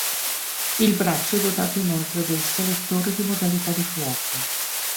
Il braccio è dotato inoltre del selettore di modalità di fuoco.